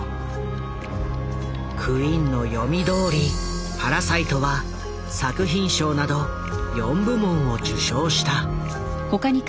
クインの読みどおり「パラサイト」は作品賞など４部門を受賞した。